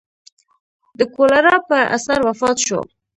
د کولرا په اثر وفات شو.